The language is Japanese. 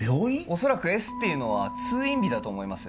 恐らくＳっていうのは通院日だと思います